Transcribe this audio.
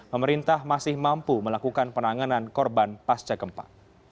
pemerintah masih mampu melakukan penanganan korban pasca gempa